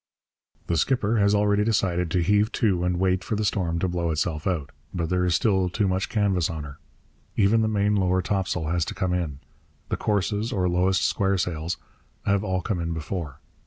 The skipper has already decided to heave to and wait for the storm to blow itself out. But there is still too much canvas on her. Even the main lower topsail has to come in. The courses, or lowest square sails, have all come in before.